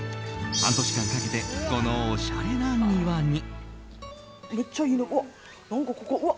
半年間かけてこの、おしゃれな庭に。